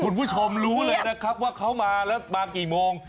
คุณผู้ชมรู้เลยนะครับว่าเขามาแล้วมากี่โมง